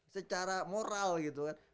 secara moral gitu kan